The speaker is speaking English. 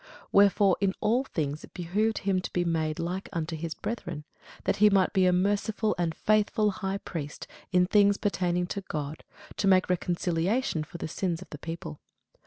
Wherefore in all things it behoved him to be made like unto his brethren, that he might be a merciful and faithful high priest in things pertaining to God, to make reconciliation for the sins of the people.